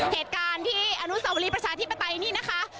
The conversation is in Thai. เหตุการณ์ที่อนุสาวรีประชาธิปไตยนี่นะคะ